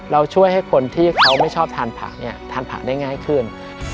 เราช่วยให้คนที่เขาไม่ชอบทานผักเนี่ยทานผักได้ง่ายขึ้น